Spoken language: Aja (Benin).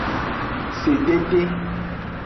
Sedede.